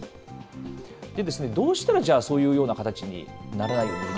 どうしたらじゃあ、そういうような形にならないように。